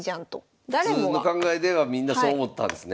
普通の考えではみんなそう思ったんですね。